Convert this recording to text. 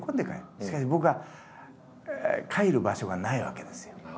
しかし僕は帰る場所がないわけですよ。